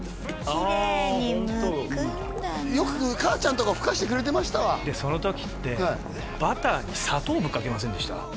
きれいにむくんだねよく母ちゃんとかふかしてくれてましたわでその時ってバターに砂糖ぶっかけませんでした？